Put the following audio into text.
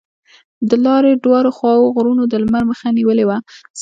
د لارې دواړو خواوو غرونو د لمر مخه نیولې وه.